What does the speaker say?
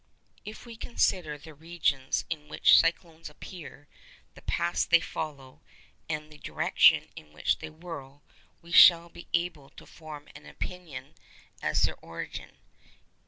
If we consider the regions in which cyclones appear, the paths they follow, and the direction in which they whirl, we shall be able to form an opinion as to their origin.